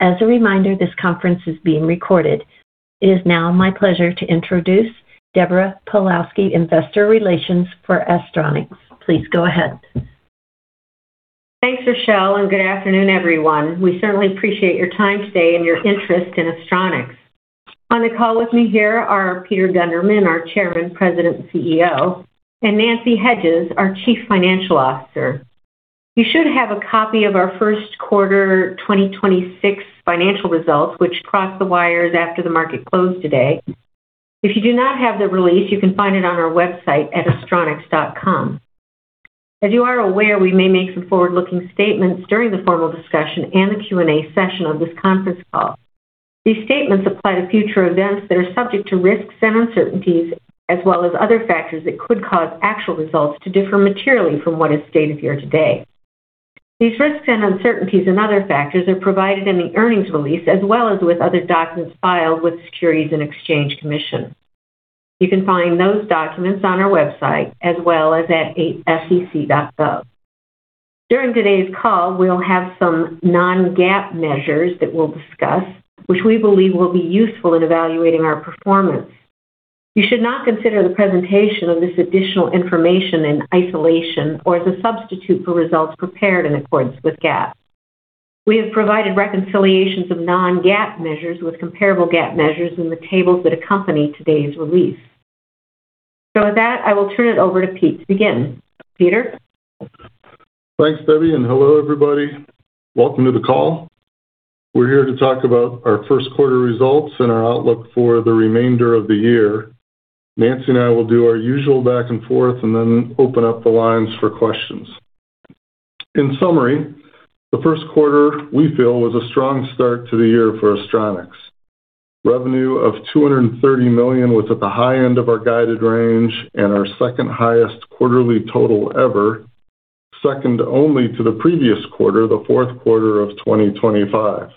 As a reminder, this conference is being recorded. It is now my pleasure to introduce Deborah Pawlowski, investor relations for Astronics. Please go ahead. Thanks, Rochelle. Good afternoon, everyone. We certainly appreciate your time today and your interest in Astronics. On the call with me here are Peter Gundermann, our Chairman, President, and CEO, and Nancy Hedges, our Chief Financial Officer. You should have a copy of our first quarter 2026 financial results, which crossed the wires after the market closed today. If you do not have the release, you can find it on our website at astronics.com. As you are aware, we may make some forward-looking statements during the formal discussion and the Q&A session of this conference call. These statements apply to future events that are subject to risks and uncertainties as well as other factors that could cause actual results to differ materially from what is stated here today. These risks and uncertainties and other factors are provided in the earnings release as well as with other documents filed with Securities and Exchange Commission. You can find those documents on our website as well as at sec.gov. During today's call, we'll have some non-GAAP measures that we'll discuss, which we believe will be useful in evaluating our performance. You should not consider the presentation of this additional information in isolation or as a substitute for results prepared in accordance with GAAP. We have provided reconciliations of non-GAAP measures with comparable GAAP measures in the tables that accompany today's release. With that, I will turn it over to Pete to begin. Peter? Thanks, Debbie. Hello, everybody. Welcome to the call. We're here to talk about our first quarter results and our outlook for the remainder of the year. Nancy and I will do our usual back and forth and then open up the lines for questions. In summary, the first quarter, we feel, was a strong start to the year for Astronics. Revenue of $230 million was at the high end of our guided range and our second-highest quarterly total ever, second only to the previous quarter, the fourth quarter of 2025.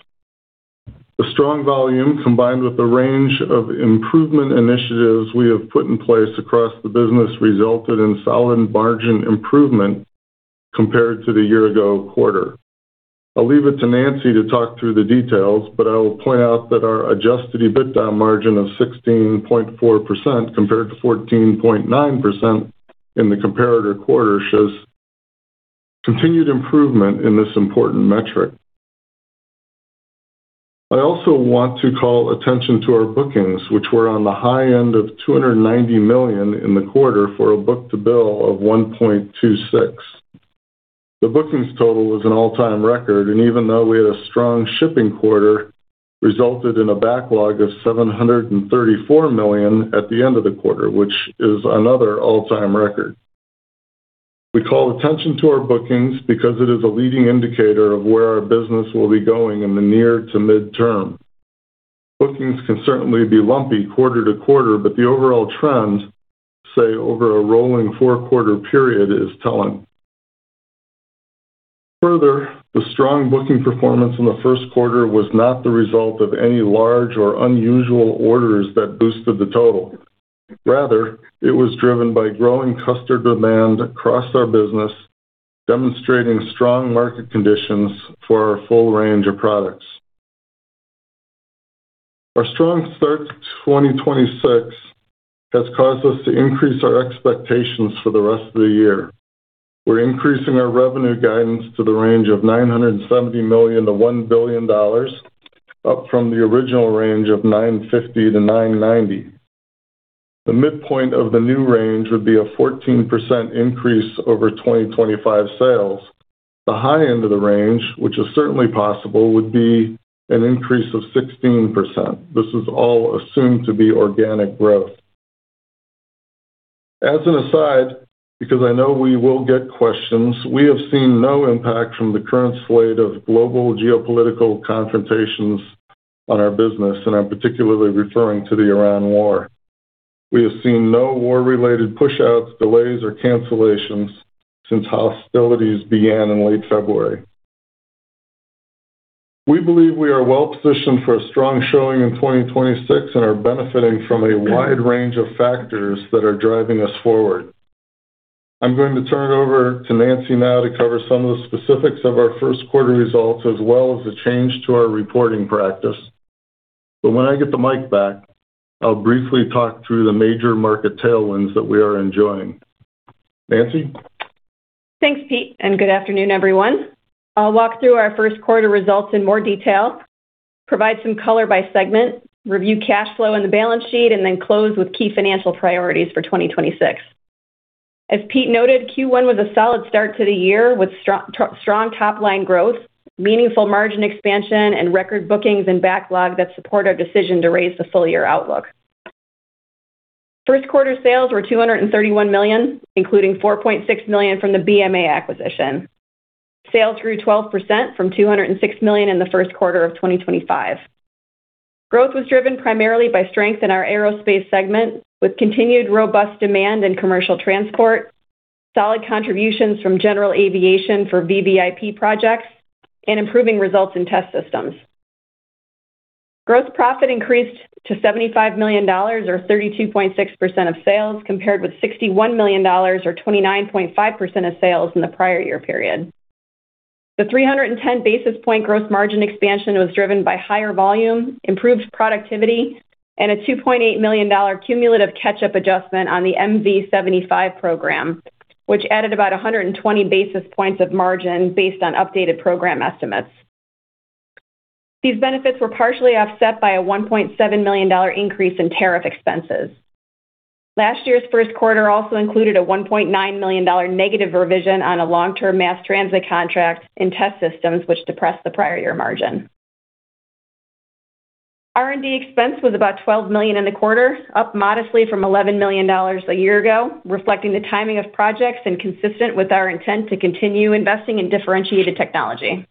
The strong volume, combined with a range of improvement initiatives we have put in place across the business, resulted in solid margin improvement compared to the year-ago quarter. I'll leave it to Nancy to talk through the details, but I will point out that our adjusted EBITDA margin of 16.4% compared to 14.9% in the comparator quarter shows continued improvement in this important metric. I also want to call attention to our bookings, which were on the high end of $290 million in the quarter for a book-to-bill of 1.26. The bookings total was an all-time record, and even though we had a strong shipping quarter, resulted in a backlog of $734 million at the end of the quarter, which is another all-time record. We call attention to our bookings because it is a leading indicator of where our business will be going in the near to midterm. Bookings can certainly be lumpy quarter-to-quarter, but the overall trend, say over a rolling four quarter period, is telling. Further, the strong booking performance in the first quarter was not the result of any large or unusual orders that boosted the total. Rather, it was driven by growing customer demand across our business, demonstrating strong market conditions for our full range of products. Our strong start to 2026 has caused us to increase our expectations for the rest of the year. We're increasing our revenue guidance to the range of $970 million-$1 billion, up from the original range of $950 million-$990 million. The midpoint of the new range would be a 14% increase over 2025 sales. The high end of the range, which is certainly possible, would be an increase of 16%. This is all assumed to be organic growth. As an aside, because I know we will get questions, we have seen no impact from the current slate of global geopolitical confrontations on our business, and I'm particularly referring to the Iran War. We have seen no war-related pushouts, delays, or cancellations since hostilities began in late February. We believe we are well-positioned for a strong showing in 2026 and are benefiting from a wide range of factors that are driving us forward. When I get the mic back, I'll briefly talk through the major market tailwinds that we are enjoying. Nancy? Thanks, Pete. Good afternoon, everyone. I'll walk through our first quarter results in more detail, provide some color by segment, review cash flow and the balance sheet, and then close with key financial priorities for 2026. As Pete noted, Q1 was a solid start to the year with strong top-line growth, meaningful margin expansion, and record bookings and backlog that support our decision to raise the full-year outlook. First quarter sales were $231 million, including $4.6 million from the BMA acquisition. Sales grew 12% from $206 million in the first quarter of 2025. Growth was driven primarily by strength in our aerospace segment with continued robust demand in commercial transport, solid contributions from general aviation for VVIP projects, and improving results in test systems. Gross profit increased to $75 million or 32.6% of sales compared with $61 million or 29.5% of sales in the prior year period. The 310 basis point gross margin expansion was driven by higher volume, improved productivity, and a $2.8 million cumulative catch-up adjustment on the MV-75 program, which added about 120 basis points of margin based on updated program estimates. These benefits were partially offset by a $1.7 million increase in tariff expenses. Last year's first quarter also included a $1.9 million negative revision on a long-term mass transit contract in test systems which depressed the prior year margin. R&D expense was about $12 million in the quarter, up modestly from $11 million a year ago, reflecting the timing of projects and consistent with our intent to continue investing in differentiated technology.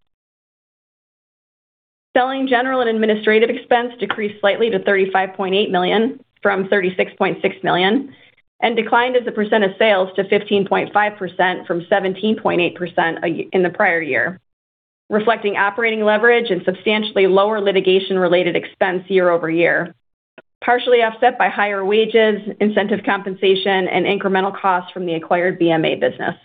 Selling General and Administrative Expense decreased slightly to $35.8 million from $36.6 million and declined as a percent of sales to 15.5% from 17.8% in the prior year, reflecting operating leverage and substantially lower litigation-related expense year-over-year, partially offset by higher wages, incentive compensation, and incremental costs from the acquired Bühler Motor Aviation business.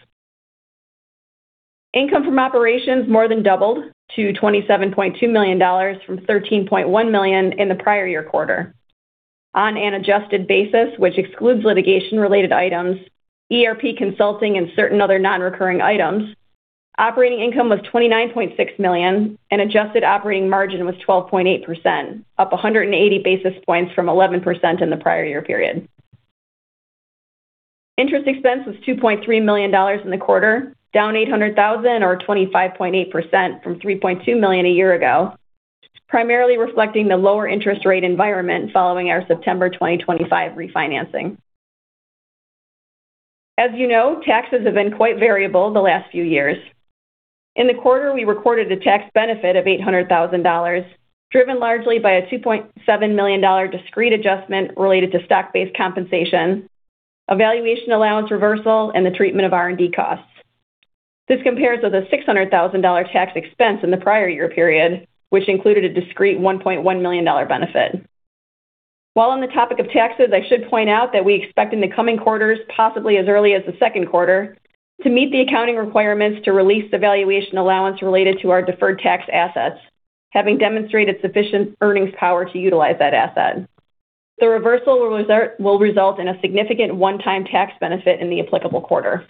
Income from operations more than doubled to $27.2 million from $13.1 million in the prior year quarter. On an adjusted basis, which excludes litigation-related items, ERP consulting, and certain other non-recurring items, operating income was $29.6 million and adjusted operating margin was 12.8%, up 180 basis points from 11% in the prior year period. Interest expense was $2.3 million in the quarter, down $800,000 or 25.8% from $3.2 million a year ago, primarily reflecting the lower interest rate environment following our September 2025 refinancing. As you know, taxes have been quite variable the last few years. In the quarter, we recorded a tax benefit of $800,000, driven largely by a $2.7 million discrete adjustment related to stock-based compensation, a valuation allowance reversal, and the treatment of R&D costs. This compares with a $600,000 tax expense in the prior year period, which included a discrete $1.1 million benefit. While on the topic of taxes, I should point out that we expect in the coming quarters, possibly as early as the second quarter, to meet the accounting requirements to release the valuation allowance related to our deferred tax assets, having demonstrated sufficient earnings power to utilize that asset. The reversal will result in a significant one-time tax benefit in the applicable quarter.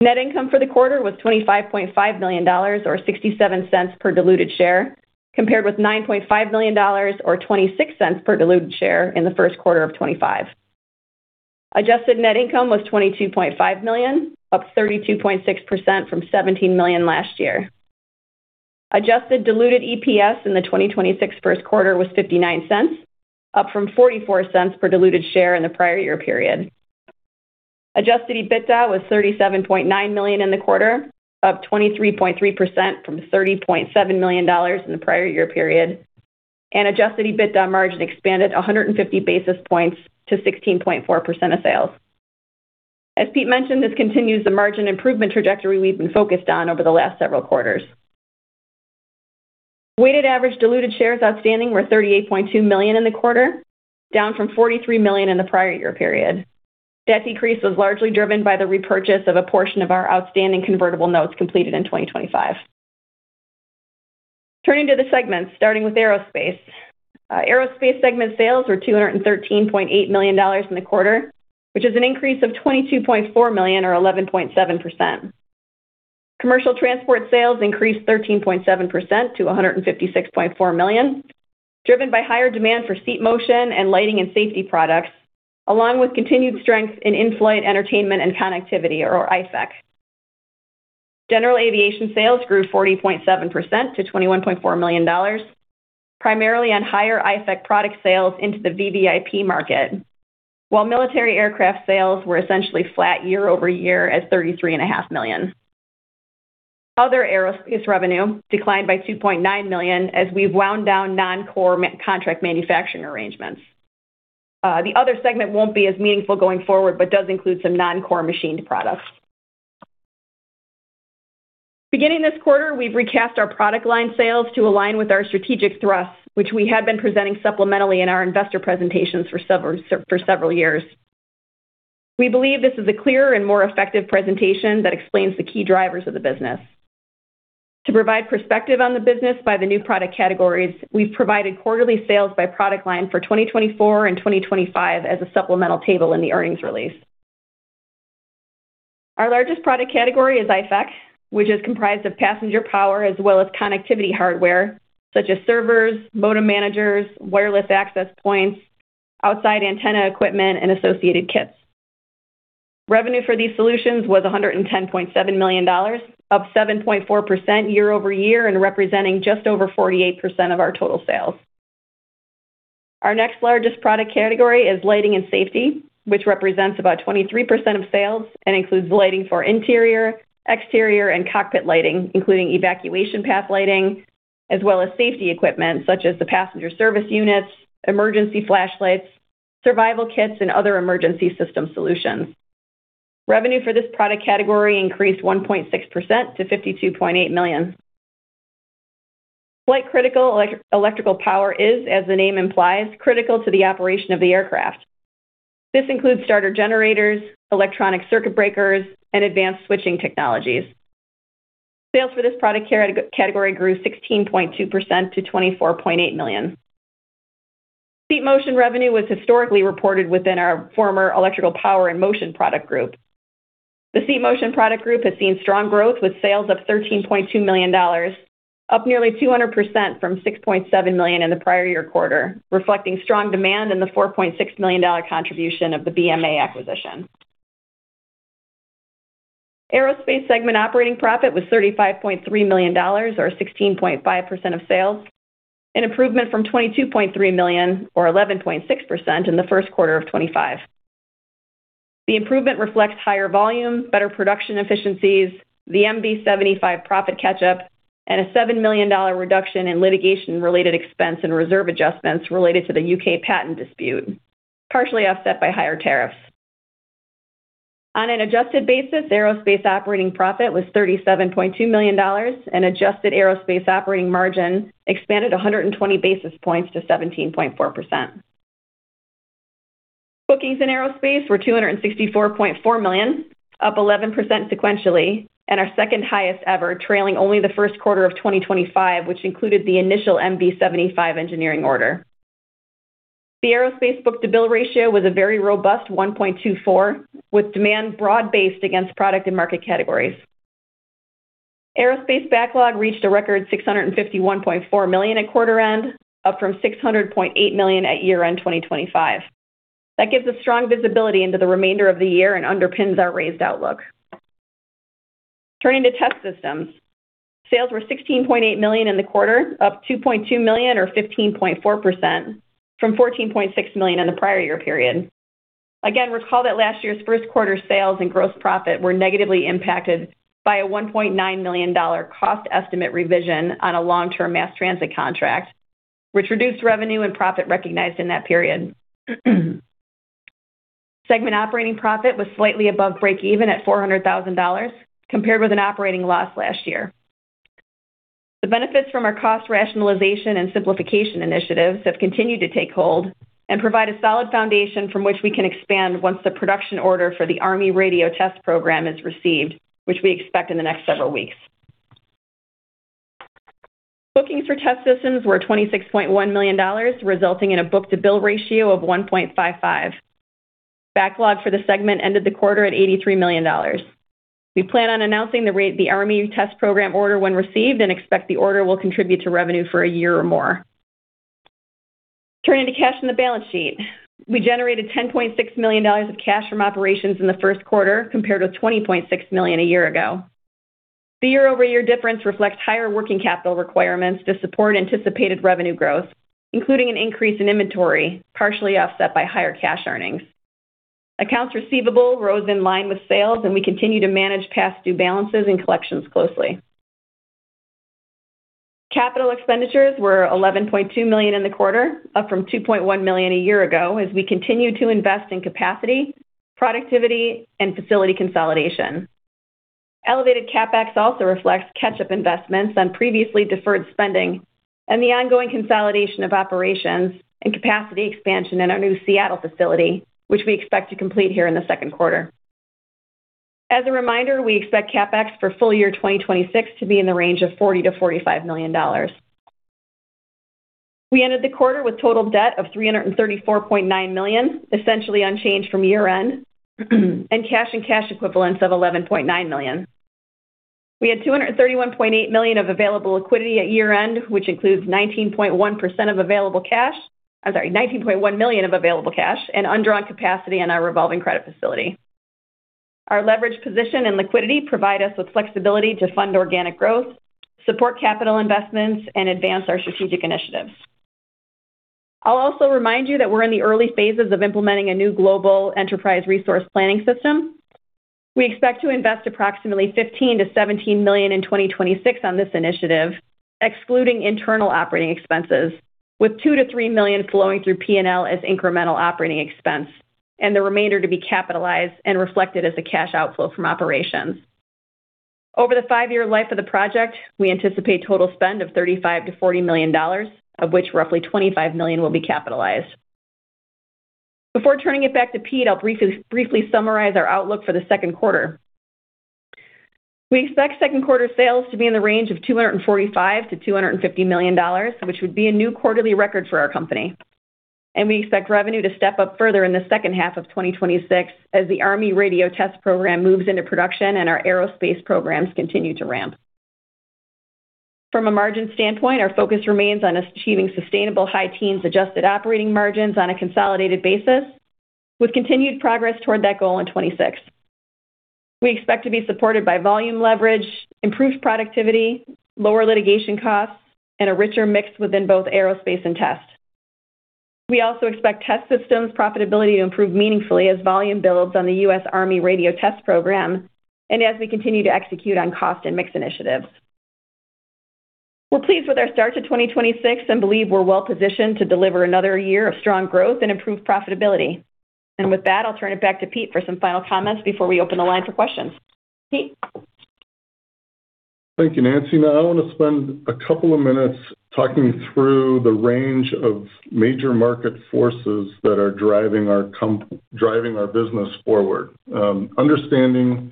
Net income for the quarter was $25.5 million, or $0.67 per diluted share, compared with $9.5 million, or $0.26 per diluted share in the first quarter of 2025. Adjusted net income was $22.5 million, up 32.6% from $17 million last year. Adjusted diluted EPS in the 2026 first quarter was $0.59, up from $0.44 per diluted share in the prior year period. Adjusted EBITDA was $37.9 million in the quarter, up 23.3% from $30.7 million in the prior year period, and adjusted EBITDA margin expanded 150 basis points to 16.4% of sales. As Pete mentioned, this continues the margin improvement trajectory we've been focused on over the last several quarters. Weighted average diluted shares outstanding were $38.2 million in the quarter, down from $43 million in the prior year period. That decrease was largely driven by the repurchase of a portion of our outstanding convertible notes completed in 2025. Turning to the segments, starting with aerospace. Aerospace segment sales were $213.8 million in the quarter, which is an increase of $22.4 million, or 11.7%. Commercial transport sales increased 13.7% to $156.4 million, driven by higher demand for Seat Motion and Lighting and Safety products, along with continued strength in in-flight entertainment and connectivity, or IFEC. General aviation sales grew 40.7% to $21.4 million, primarily on higher IFEC product sales into the VVIP market, while military aircraft sales were essentially flat year-over-year at $33.5 million. Other aerospace revenue declined by $2.9 million as we've wound down non-core contract manufacturing arrangements. The other segment won't be as meaningful going forward, but does include some non-core machined products. Beginning this quarter, we've recast our product line sales to align with our strategic thrusts, which we have been presenting supplementally in our investor presentations for several years. We believe this is a clearer and more effective presentation that explains the key drivers of the business. To provide perspective on the business by the new product categories, we've provided quarterly sales by product line for 2024 and 2025 as a supplemental table in the earnings release. Our largest product category is IFEC, which is comprised of Passenger Power as well as connectivity hardware, such as servers, Modem Managers, wireless access points, outside antenna equipment, and associated kits. Revenue for these solutions was $110.7 million, up 7.4% year-over-year and representing just over 48% of our total sales. Our next largest product category is Lighting and Safety, which represents about 23% of sales and includes lighting for interior, exterior, and cockpit lighting, including evacuation path lighting, as well as safety equipment such as the Passenger Service Units, emergency flashlights, survival kits, and other emergency system solutions. Revenue for this product category increased 1.6% to $52.8 million. Flight-Critical Electrical Power is, as the name implies, critical to the operation of the aircraft. This includes Starter Generators, Electronic Circuit Breakers, and advanced switching technologies. Sales for this product category grew 16.2% to $24.8 million. Seat Motion revenue was historically reported within our former electrical power and motion product group. The Seat Motion product group has seen strong growth with sales of $13.2 million, up nearly 200% from $6.7 million in the prior year quarter, reflecting strong demand in the $4.6 million contribution of the BMA acquisition. Aerospace segment operating profit was $35.3 million, or 16.5% of sales, an improvement from $22.3 million, or 11.6% in the first quarter of 2025. The improvement reflects higher volume, better production efficiencies, the MV-75 profit catch-up, and a $7 million reduction in litigation-related expense and reserve adjustments related to the UK patent dispute, partially offset by higher tariffs. On an adjusted basis, aerospace operating profit was $37.2 million, and adjusted aerospace operating margin expanded 120 basis points to 17.4%. Bookings in aerospace were $264.4 million, up 11% sequentially, and our second-highest ever, trailing only the first quarter of 2025, which included the initial MV-75 engineering order. The aerospace book-to-bill ratio was a very robust 1.24, with demand broad-based against product and market categories. Aerospace backlog reached a record $651.4 million at quarter-end, up from $600.8 million at year-end 2025. That gives us strong visibility into the remainder of the year and underpins our raised outlook. Turning to test systems, sales were $16.8 million in the quarter, up $2.2 million or 15.4% from $14.6 million in the prior year period. Again, recall that last year's first quarter sales and gross profit were negatively impacted by a $1.9 million cost estimate revision on a long-term mass transit contract, which reduced revenue and profit recognized in that period. Segment operating profit was slightly above break even at $400,000 compared with an operating loss last year. The benefits from our cost rationalization and simplification initiatives have continued to take hold and provide a solid foundation from which we can expand once the production order for the Army Radio Test Program is received, which we expect in the next several weeks. Bookings for test systems were $26.1 million, resulting in a book-to-bill ratio of 1.55. Backlog for the segment ended the quarter at $83 million. We plan on announcing the rate the Army Radio Test Program order when received and expect the order will contribute to revenue for a year or more. Turning to cash in the balance sheet, we generated $10.6 million of cash from operations in the first quarter compared with $20.6 million a year ago. The year-over-year difference reflects higher working capital requirements to support anticipated revenue growth, including an increase in inventory partially offset by higher cash earnings. Accounts receivable rose in line with sales, and we continue to manage past due balances and collections closely. Capital expenditures were $11.2 million in the quarter, up from $2.1 million a year ago as we continue to invest in capacity, productivity, and facility consolidation. Elevated CapEx also reflects catch-up investments on previously deferred spending and the ongoing consolidation of operations and capacity expansion in our new Seattle facility, which we expect to complete here in the second quarter. As a reminder, we expect CapEx for full-year 2026 to be in the range of $40 million-$45 million. We ended the quarter with total debt of $334.9 million, essentially unchanged from year-end, and cash and cash equivalents of $11.9 million. We had $231.8 million of available liquidity at year-end, which includes $19.1 million of available cash and undrawn capacity in our revolving credit facility. Our leverage position and liquidity provide us with flexibility to fund organic growth, support capital investments, and advance our strategic initiatives. I'll also remind you that we're in the early phases of implementing a new global Enterprise Resource Planning system. We expect to invest approximately $15 million-$17 million in 2026 on this initiative, excluding internal operating expenses, with $2 million-$3 million flowing through P&L as incremental operating expense and the remainder to be capitalized and reflected as a cash outflow from operations. Over the five-year life of the project, we anticipate total spend of $35 million-$40 million, of which roughly $25 million will be capitalized. Before turning it back to Pete, I'll briefly summarize our outlook for the second quarter. We expect second quarter sales to be in the range of $245 million-$250 million, which would be a new quarterly record for our company. We expect revenue to step up further in the second half of 2026 as the Army Radio Test Program moves into production and our aerospace programs continue to ramp. From a margin standpoint, our focus remains on achieving sustainable high teens adjusted operating margins on a consolidated basis with continued progress toward that goal in 2026. We expect to be supported by volume leverage, improved productivity, lower litigation costs, and a richer mix within both aerospace and test. We also expect test systems profitability to improve meaningfully as volume builds on the US Army Radio Test Program and as we continue to execute on cost and mix initiatives. We're pleased with our start to 2026 and believe we're well-positioned to deliver another year of strong growth and improved profitability. With that, I'll turn it back to Pete for some final comments before we open the line for questions. Pete. Thank you, Nancy. I want to spend a couple of minutes talking through the range of major market forces that are driving our business forward. Understanding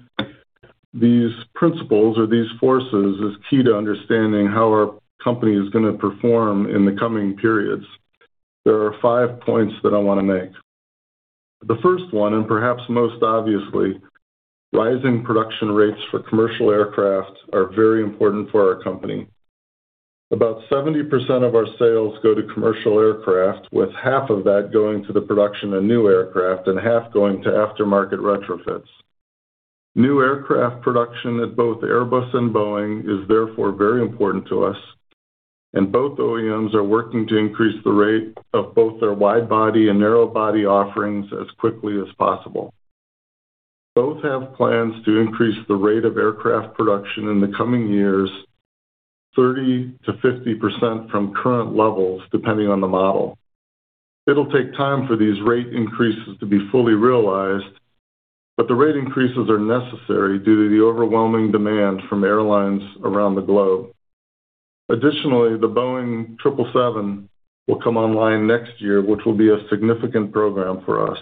these principles or these forces is key to understanding how our company is gonna perform in the coming periods. There are five points that I wanna make. The first one, perhaps most obviously, rising production rates for commercial aircraft are very important for our company. About 70% of our sales go to commercial aircraft, with half of that going to the production of new aircraft and half going to aftermarket retrofits. New aircraft production at both Airbus and Boeing is therefore very important to us, both OEMs are working to increase the rate of both their wide-body and narrow-body offerings as quickly as possible. Both have plans to increase the rate of aircraft production in the coming years, 30%-50% from current levels, depending on the model. It'll take time for these rate increases to be fully realized, but the rate increases are necessary due to the overwhelming demand from airlines around the globe. Additionally, the Boeing 777 will come online next year, which will be a significant program for us.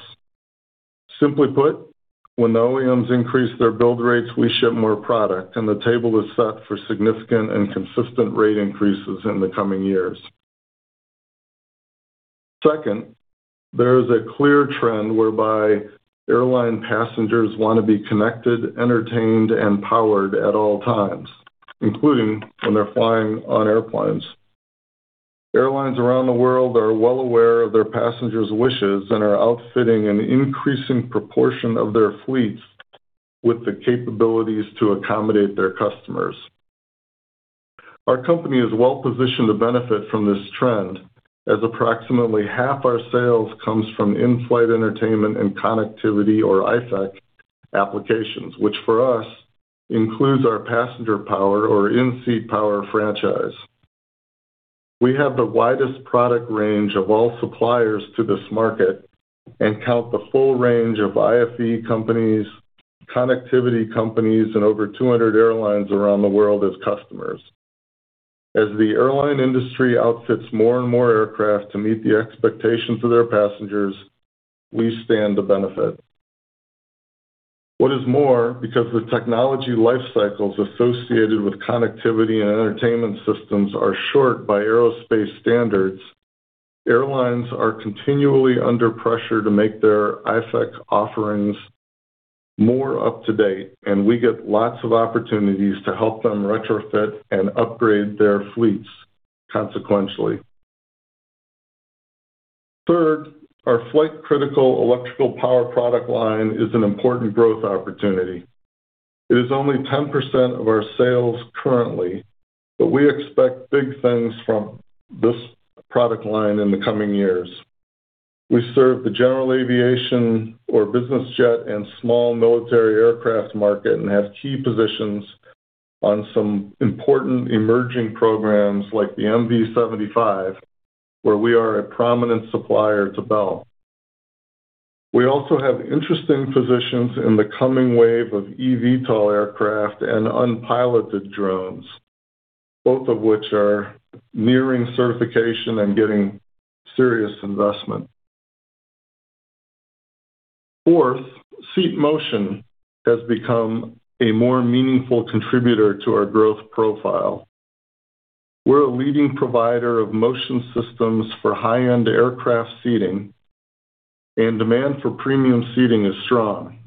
Simply put, when the OEMs increase their build rates, we ship more product, and the table is set for significant and consistent rate increases in the coming years. Second, there is a clear trend whereby airline passengers wanna be connected, entertained, and powered at all times, including when they're flying on airplanes. Airlines around the world are well aware of their passengers' wishes and are outfitting an increasing proportion of their fleets with the capabilities to accommodate their customers. Our company is well-positioned to benefit from this trend, as approximately half our sales comes from in-flight entertainment and connectivity or IFEC applications, which for us includes our Passenger Power or in-seat power franchise. We have the widest product range of all suppliers to this market and count the full range of IFE companies, connectivity companies, and over 200 airlines around the world as customers. As the airline industry outfits more and more aircraft to meet the expectations of their passengers, we stand to benefit. What is more, because the technology life cycles associated with connectivity and entertainment systems are short by aerospace standards, airlines are continually under pressure to make their IFEC offerings more up-to-date, and we get lots of opportunities to help them retrofit and upgrade their fleets consequentially. Third, our Flight-Critical Electrical Power product line is an important growth opportunity. It is only 10% of our sales currently. We expect big things from this product line in the coming years. We serve the general aviation or business jet and small military aircraft market and have key positions on some important emerging programs like the MV-75, where we are a prominent supplier to Bell. We also have interesting positions in the coming wave of eVTOL aircraft and unpiloted drones, both of which are nearing certification and getting serious investment. Fourth, Seat Motion has become a more meaningful contributor to our growth profile. We're a leading provider of motion systems for high-end aircraft seating, and demand for premium seating is strong.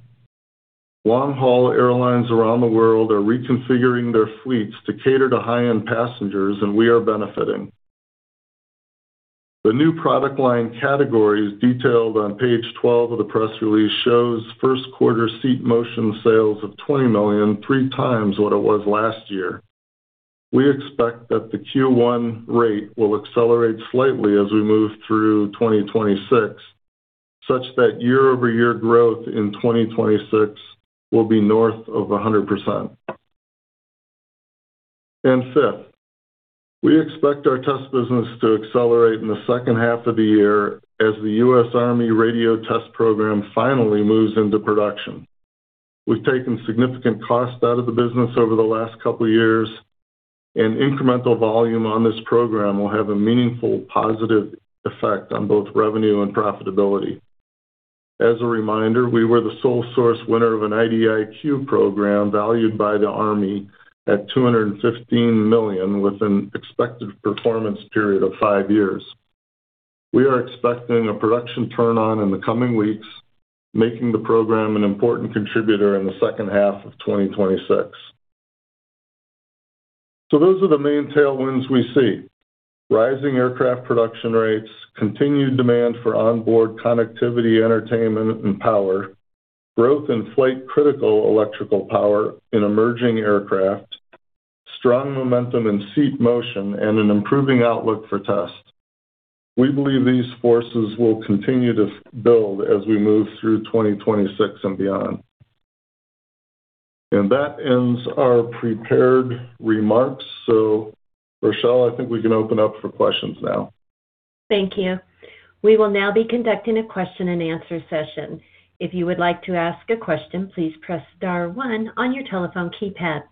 Long-haul airlines around the world are reconfiguring their fleets to cater to high-end passengers, and we are benefiting. The new product line categories detailed on page 12 of the press release shows first quarter Seat Motion sales of $20 million, 3x what it was last year. We expect that the Q1 rate will accelerate slightly as we move through 2026, such that year-over-year growth in 2026 will be north of 100%. Fifth, we expect our test business to accelerate in the second half of the year as the US Army Radio Test Program finally moves into production. We've taken significant cost out of the business over the last couple years, and incremental volume on this program will have a meaningful positive effect on both revenue and profitability. As a reminder, we were the sole source winner of an IDIQ program valued by the Army at $215 million with an expected performance period of five years. We are expecting a production turn-on in the coming weeks, making the program an important contributor in the second half of 2026. Those are the main tailwinds we see. Rising aircraft production rates, continued demand for onboard connectivity, entertainment, and power, growth in Flight-Critical Electrical Power in emerging aircraft, strong momentum in Seat Motion, and an improving outlook for test. We believe these forces will continue to build as we move through 2026 and beyond. That ends our prepared remarks. Rochelle, I think we can open up for questions now. Thank you. We will now be conducting a question and answer session. If you would like to ask a question, please press star one on your telephone keypad.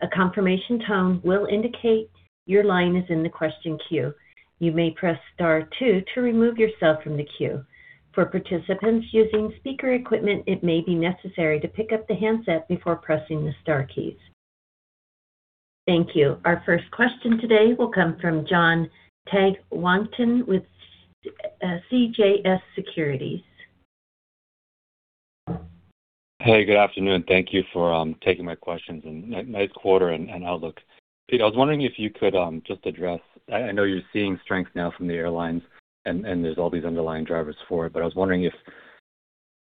A confirmation tone will indicate your line is in the question queue. You may press star two to remove yourself from the queue. For participants using speaker equipment, it may be necessary to pick up the handset before pressing the star keys. Thank you. Our first question today will come from Jon Tanwanteng with CJS Securities. Hey, good afternoon. Thank you for taking my questions, and nice quarter and outlook. Pete, I was wondering if you could just address I know you're seeing strength now from the airlines and there's all these underlying drivers for it, but I was wondering if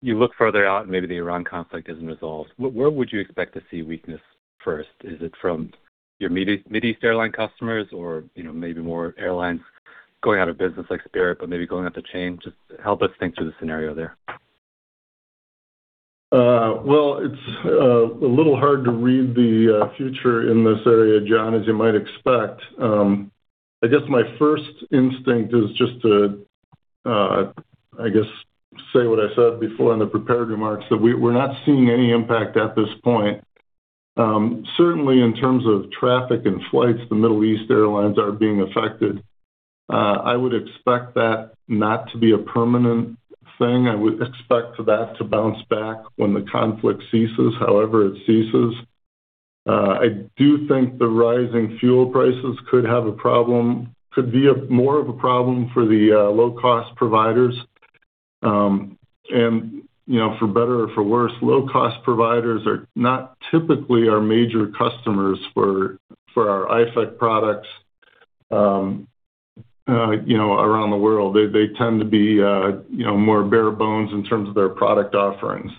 you look further out and maybe the Iran conflict isn't resolved, where would you expect to see weakness first? Is it from your Mideast airline customers or, you know, maybe more airlines going out of business like Spirit Airlines, but maybe going up the chain? Just help us think through the scenario there. Well, it's a little hard to read the future in this area, Jon, as you might expect. I guess my first instinct is just to say what I said before in the prepared remarks that we're not seeing any impact at this point. Certainly in terms of traffic and flights, the Middle East airlines are being affected. I would expect that not to be a permanent thing. I would expect that to bounce back when the conflict ceases, however it ceases. I do think the rising fuel prices could be more of a problem for the low-cost providers. You know, for better or for worse, low-cost providers are not typically our major customers for our IFEC products, you know, around the world. They tend to be, you know, more bare bones in terms of their product offerings.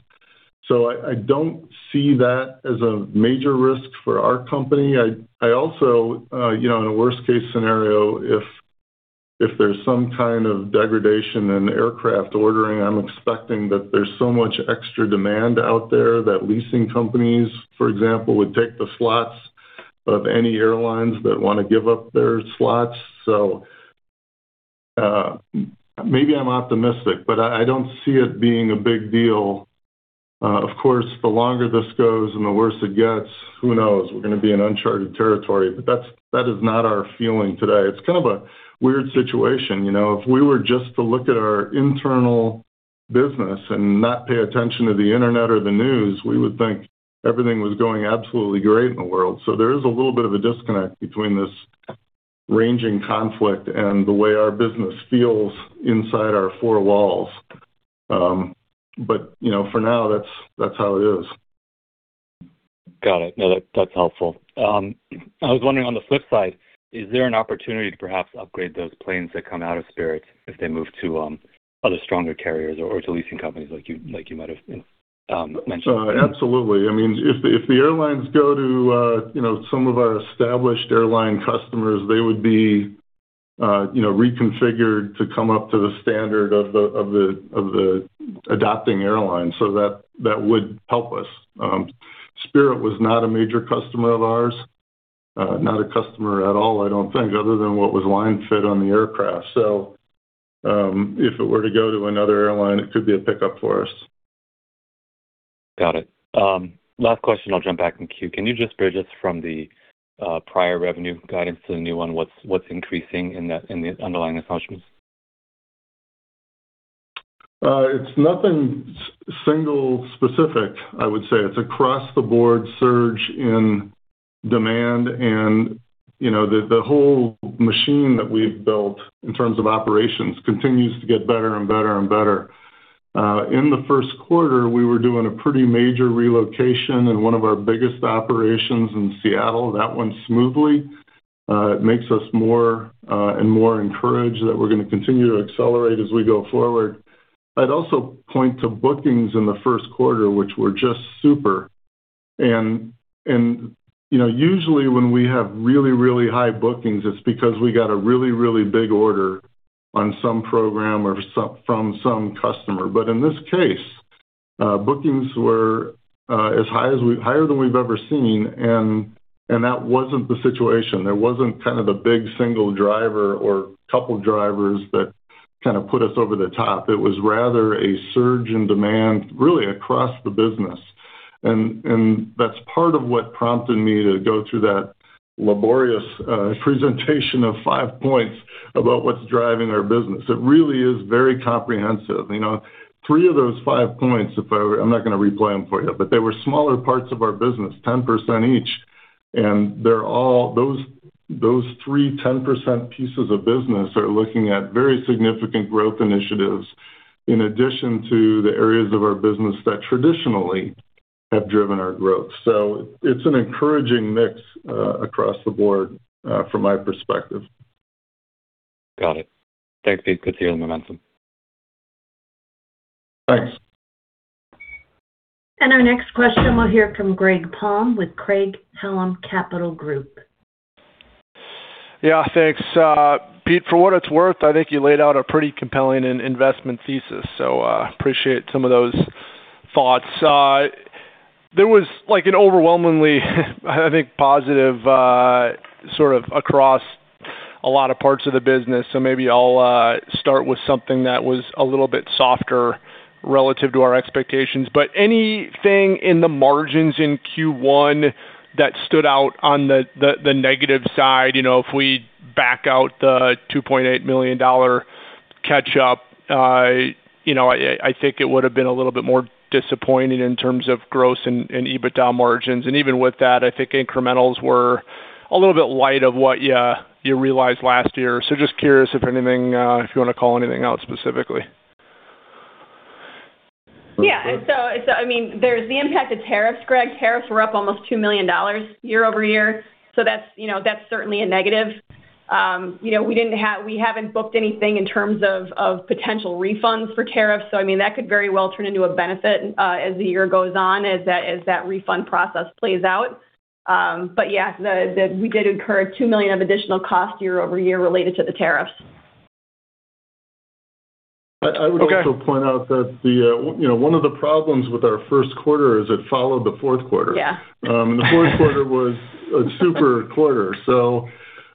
I don't see that as a major risk for our company. I also, you know, in a worst case scenario, if there's some kind of degradation in aircraft ordering, I'm expecting that there's so much extra demand out there that leasing companies, for example, would take the slots of any airlines that wanna give up their slots. Maybe I'm optimistic, but I don't see it being a big deal. Of course, the longer this goes and the worse it gets, who knows? We're gonna be in uncharted territory. That is not our feeling today. It's kind of a weird situation, you know. If we were just to look at our internal business and not pay attention to the internet or the news, we would think everything was going absolutely great in the world. There is a little bit of a disconnect between this ranging conflict and the way our business feels inside our four walls. You know, for now that's how it is. Got it. No, that's helpful. I was wondering on the flip side, is there an opportunity to perhaps upgrade those planes that come out of Spirit if they move to other stronger carriers or to leasing companies like you might have mentioned? Absolutely. If the airlines go to, you know, some of our established airline customers, they would be, you know, reconfigured to come up to the standard of the adopting airline. That would help us. Spirit was not a major customer of ours. Not a customer at all, I don't think, other than what was line fit on the aircraft. If it were to go to another airline, it could be a pickup for us. Got it. Last question, I'll jump back in queue. Can you just bridge us from the prior revenue guidance to the new one? What's increasing in the underlying assumptions? It's nothing single specific, I would say. It's across the board surge in demand and, you know, the whole machine that we've built in terms of operations continues to get better and better. In the first quarter, we were doing a pretty major relocation in one of our biggest operations in Seattle. That went smoothly. It makes us more and more encouraged that we're gonna continue to accelerate as we go forward. I'd also point to bookings in the first quarter, which were just super. You know, usually when we have really high bookings, it's because we got a really big order on some program or from some customer. In this case, bookings were higher than we've ever seen, and that wasn't the situation. There wasn't kind of a big single driver or couple drivers that kind of put us over the top. It was rather a surge in demand really across the business. That's part of what prompted me to go through that laborious presentation of 5 points about what's driving our business. It really is very comprehensive. You know, 3 points of those 5 points, I'm not gonna replay them for you, but they were smaller parts of our business, 10% each. Those three 10% pieces of business are looking at very significant growth initiatives in addition to the areas of our business that traditionally have driven our growth. It's an encouraging mix across the board from my perspective. Got it. Thanks, Pete. Good to see the momentum. Thanks. Our next question we'll hear from Greg Palm with Craig-Hallum Capital Group. Thanks, Pete. For what it's worth, I think you laid out a pretty compelling in-investment thesis, appreciate some of those thoughts. There was like an overwhelmingly, I think, positive sort of across a lot of parts of the business. Maybe I'll start with something that was a little bit softer relative to our expectations. Anything in the margins in Q1 that stood out on the negative side? You know, if we back out the $2.8 million catch up, you know, I think it would have been a little bit more disappointing in terms of gross and EBITDA margins. Even with that, I think incrementals were a little bit light of what you realized last year. Just curious if anything if you wanna call anything out specifically. Yeah. I mean, there's the impact of tariffs, Greg. Tariffs were up almost $2 million year-over-year. That's, you know, that's certainly a negative. You know, we haven't booked anything in terms of potential refunds for tariffs. I mean, that could very well turn into a benefit as the year goes on, as that refund process plays out. Yeah, we did incur $2 million of additional cost year-over-year related to the tariffs. Okay. I would also point out that the, you know, one of the problems with our first quarter is it followed the fourth quarter. Yeah. The fourth quarter was a super quarter.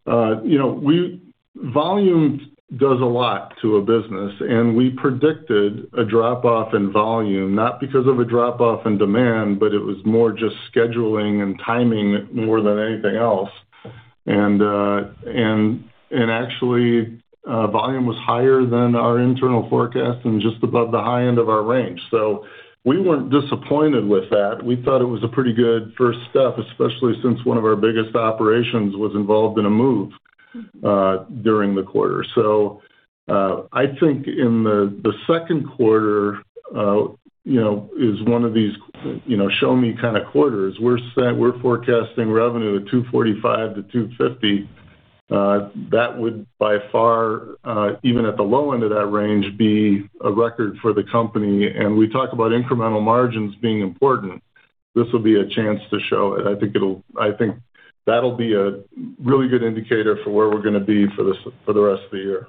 You know, volume does a lot to a business, and we predicted a drop off in volume, not because of a drop off in demand, but it was more just scheduling and timing more than anything else. Actually, volume was higher than our internal forecast and just above the high end of our range. We weren't disappointed with that. We thought it was a pretty good first step, especially since one of our biggest operations was involved in a move during the quarter. I think in the second quarter, you know, is one of these, you know, show me kinda quarters. We're saying we're forecasting revenue at $245 million-$250 million. That would by far, even at the low end of that range, be a record for the company. We talk about incremental margins being important. This will be a chance to show it. I think that'll be a really good indicator for where we're gonna be for the rest of the year.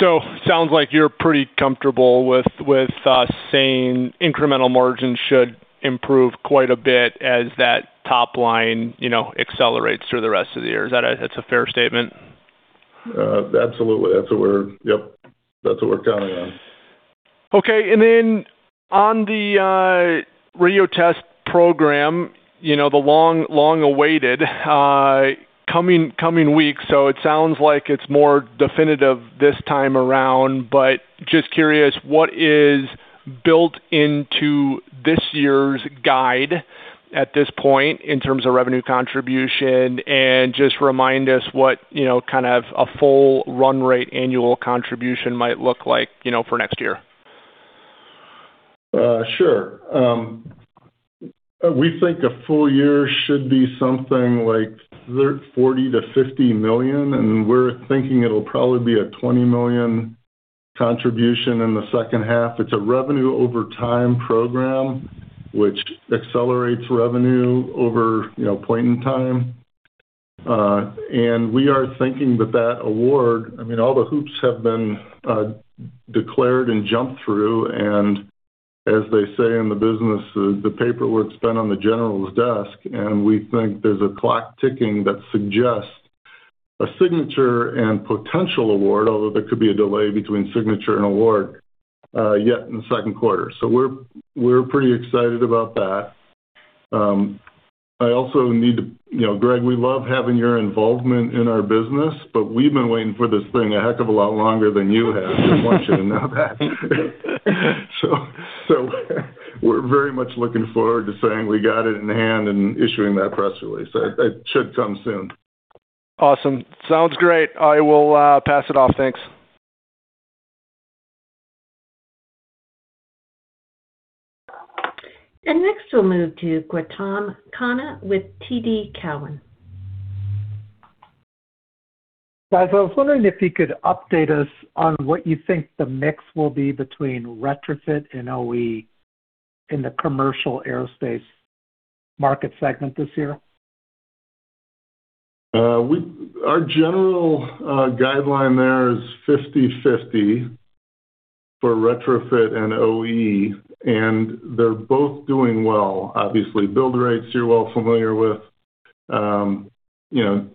Sounds like you're pretty comfortable with, saying incremental margins should improve quite a bit as that top line, you know, accelerates through the rest of the year. That's a fair statement? Absolutely. Yep, that's what we're counting on. Okay. On the Radio Test Program, you know, the long-awaited coming weeks. It sounds like it's more definitive this time around, but just curious, what is built into this year's guide at this point in terms of revenue contribution? Just remind us what, you know, kind of a full run rate annual contribution might look like, you know, for next year. Sure. We think a full-year should be something like $40 million to $50 million, and we're thinking it'll probably be a $20 million contribution in the second half. It's a revenue over time program, which accelerates revenue over, you know, point in time. We are thinking that award, I mean, all the hoops have been declared and jumped through, and as they say in the business, the paperwork's been on the general's desk, and we think there's a clock ticking that suggests a signature and potential award, although there could be a delay between signature and award yet in the second quarter. We're pretty excited about that. I also need to You know, Greg, we love having your involvement in our business, but we've been waiting for this thing a heck of a lot longer than you have. Just want you to know that. We're very much looking forward to saying we got it in hand and issuing that press release. It should come soon. Awesome. Sounds great. I will pass it off. Thanks. Next, we'll move to Gautam Khanna with TD Cowen. Guys, I was wondering if you could update us on what you think the mix will be between retrofit and OE in the commercial aerospace market segment this year? Our general guideline there is 50-50 for retrofit and OE, and they're both doing well. Obviously, build rates, you're well familiar with. You know,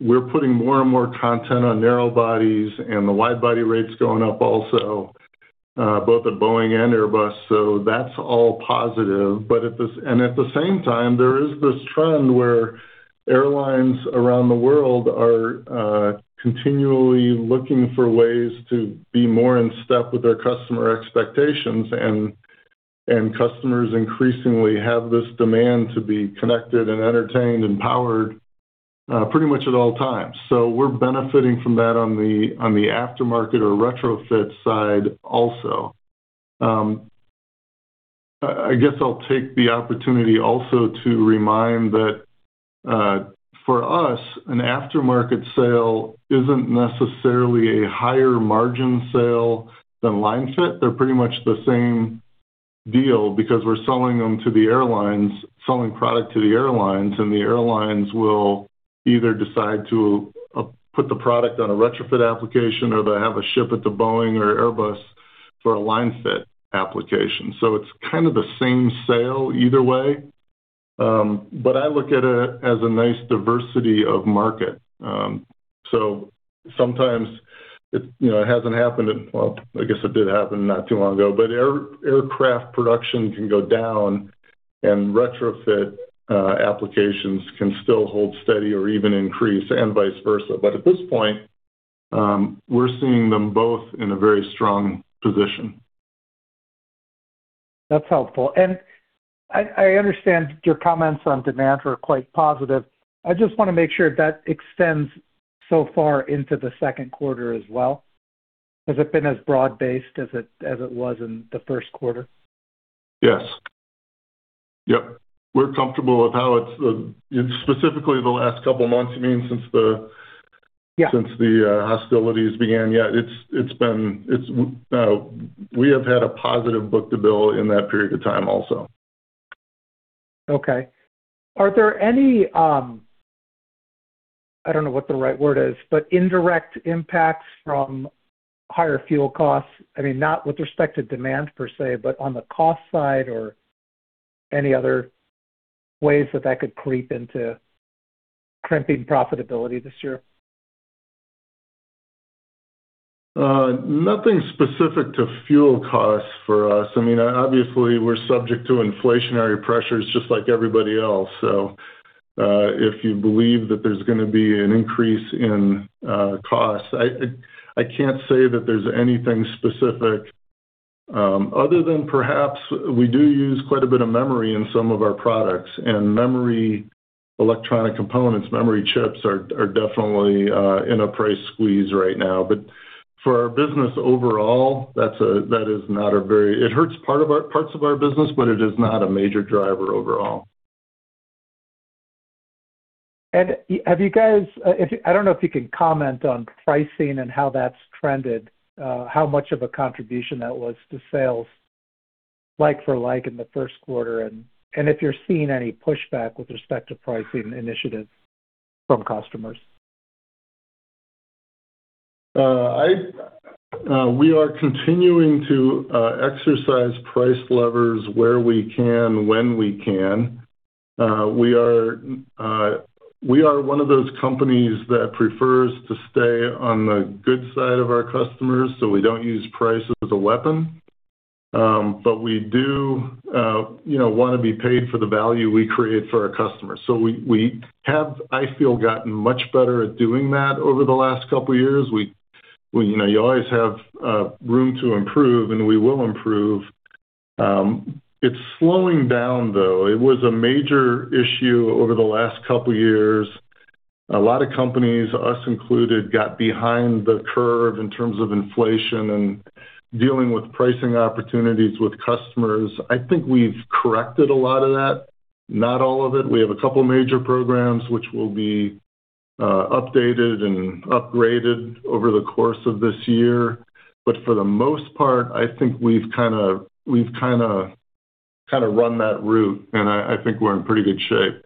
we're putting more and more content on narrow bodies, and the wide body rate's going up also, both at Boeing and Airbus, that's all positive. At the same time, there is this trend where airlines around the world are continually looking for ways to be more in step with their customer expectations, and customers increasingly have this demand to be connected and entertained and powered, pretty much at all times. We're benefiting from that on the aftermarket or retrofit side also. I guess I'll take the opportunity also to remind that, for us, an aftermarket sale isn't necessarily a higher margin sale than line fit. They're pretty much the same deal because we're selling them to the airlines, selling product to the airlines, and the airlines will either decide to put the product on a retrofit application or they have a ship it to Boeing or Airbus for a line fit application. It's kind of the same sale either way. I look at it as a nice diversity of market. You know, it hasn't happened. Well, I guess it did happen not too long ago. Aircraft production can go down and retrofit applications can still hold steady or even increase, and vice versa. At this point, we're seeing them both in a very strong position. That's helpful. I understand your comments on demand are quite positive. I just wanna make sure that extends so far into the second quarter as well. Has it been as broad-based as it was in the first quarter? Yes. Yep. We're comfortable with how it's, you know, specifically the last couple months, you mean? Yeah since the hostilities began? Yeah, it's been. We have had a positive book-to-bill in that period of time also. Okay. Are there any, I don't know what the right word is, but indirect impacts from higher fuel costs? I mean, not with respect to demand per se, but on the cost side or any other ways that that could creep into crimping profitability this year. Nothing specific to fuel costs for us. I mean, obviously, we're subject to inflationary pressures just like everybody else. If you believe that there's gonna be an increase in costs, I can't say that there's anything specific, other than perhaps we do use quite a bit of memory in some of our products. Memory electronic components, memory chips are definitely in a price squeeze right now. For our business overall, It hurts parts of our business, but it is not a major driver overall. Have you guys, if I don't know if you can comment on pricing and how that's trended, how much of a contribution that was to sales like for like in the first quarter, and if you're seeing any pushback with respect to pricing initiatives from customers? We are continuing to exercise price levers where we can, when we can. We are one of those companies that prefers to stay on the good side of our customers, so we don't use price as a weapon. We do, you know, wanna be paid for the value we create for our customers. We have, I feel, gotten much better at doing that over the last couple years. We, you know, you always have room to improve, and we will improve. It's slowing down, though. It was a major issue over the last couple years. A lot of companies, us included, got behind the curve in terms of inflation and dealing with pricing opportunities with customers. I think we've corrected a lot of that. Not all of it. We have a couple major programs which will be updated and upgraded over the course of this year. For the most part, I think we've kinda, we've kinda run that route, and I think we're in pretty good shape.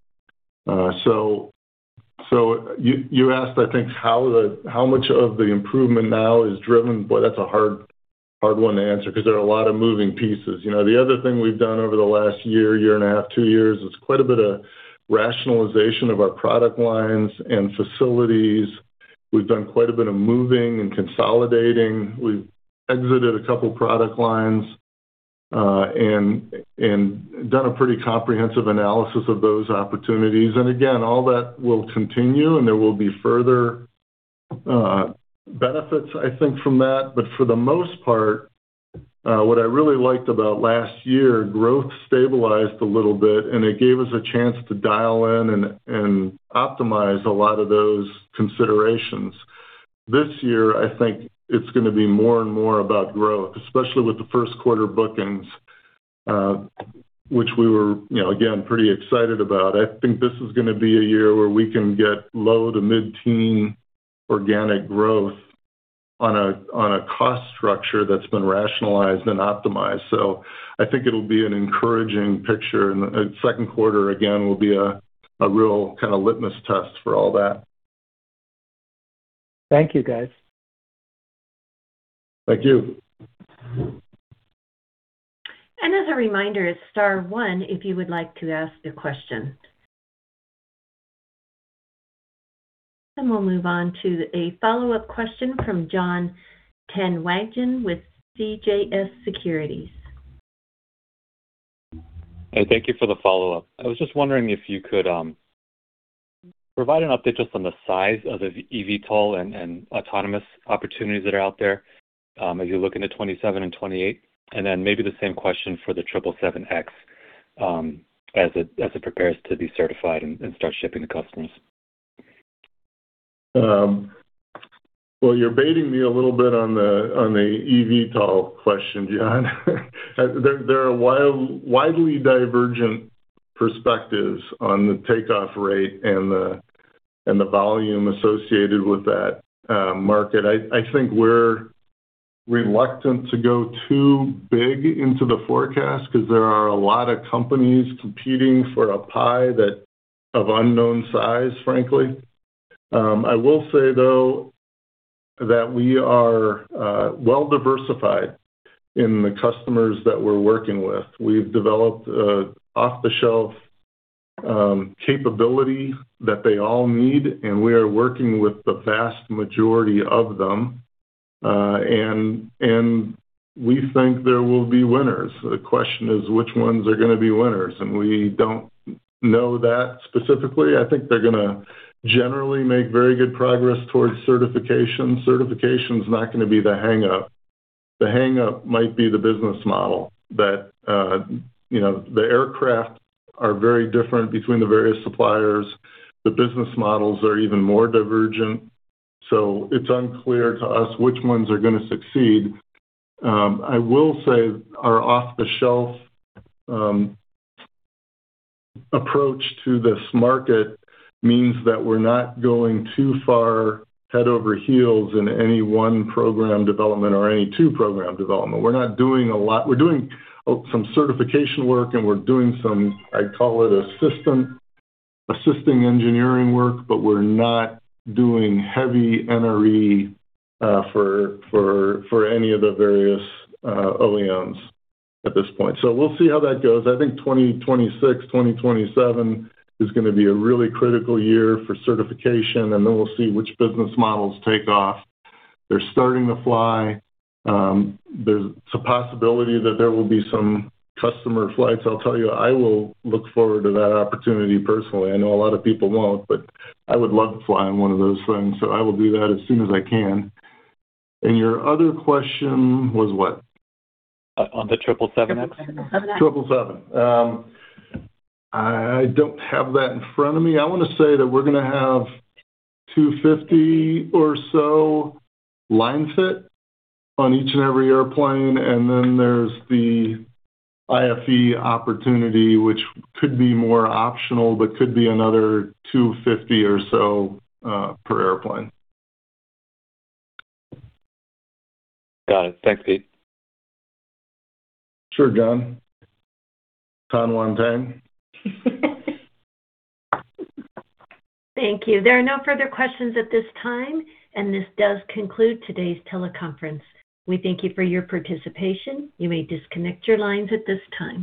You asked, I think, how much of the improvement now is driven. Boy, that's a hard one to answer 'cause there are a lot of moving pieces. You know, the other thing we've done over the last year and a half, two years, is quite a bit of rationalization of our product lines and facilities. We've done quite a bit of moving and consolidating. We've exited a couple product lines and done a pretty comprehensive analysis of those opportunities. Again, all that will continue, and there will be further benefits, I think, from that. For the most part, what I really liked about last year, growth stabilized a little bit, and it gave us a chance to dial in and optimize a lot of those considerations. This year, I think it's gonna be more and more about growth, especially with the first quarter bookings, which we were, you know, again, pretty excited about. I think this is gonna be a year where we can get low to mid-teen organic growth on a, on a cost structure that's been rationalized and optimized. I think it'll be an encouraging picture, and the second quarter, again, will be a real kinda litmus test for all that. Thank you, guys. Thank you. As a reminder, it's star one if you would like to ask a question. We'll move on to a follow-up question from Jon Tanwanteng with CJS Securities. Hey, thank you for the follow-up. I was just wondering if you could provide an update just on the size of the eVTOL and autonomous opportunities that are out there as you look into 2027 and 2028. Maybe the same question for the 777X as it prepares to be certified and start shipping to customers. Well, you're baiting me a little bit on the, on the eVTOL question, Jon. There are wide, widely divergent perspectives on the takeoff rate and the volume associated with that market. I think we're reluctant to go too big into the forecast 'cause there are a lot of companies competing for a pie that of unknown size, frankly. I will say though that we are well-diversified in the customers that we're working with. We've developed a off-the-shelf capability that they all need, and we are working with the vast majority of them. We think there will be winners. The question is which ones are gonna be winners, and we don't know that specifically. I think they're gonna generally make very good progress towards certification. Certification's not gonna be the hang-up. The hang-up might be the business model that, you know, the aircraft are very different between the various suppliers. The business models are even more divergent. It's unclear to us which ones are gonna succeed. I will say our off-the-shelf approach to this market means that we're not going too far head over heels in any one program development or any two program development. We're not doing a lot. We're doing some certification work, and we're doing some, I'd call it a system, assisting engineering work, but we're not doing heavy NRE for any of the various OEMs at this point. We'll see how that goes. I think 2026, 2027 is gonna be a really critical year for certification. Then we'll see which business models take off. They're starting to fly. There's a possibility that there will be some customer flights. I'll tell you, I will look forward to that opportunity personally. I know a lot of people won't, but I would love to fly on one of those things, so I will do that as soon as I can. Your other question was what? On the 777X. 777. I don't have that in front of me. I wanna say that we're gonna have 250 or so line fit on each and every airplane, and then there's the IFE opportunity, which could be more optional, but could be another 250 or so per airplane. Got it. Thanks, Pete. Sure, Jon. Tanwanteng. Thank you. There are no further questions at this time. This does conclude today's teleconference. We thank you for your participation. You may disconnect your lines at this time.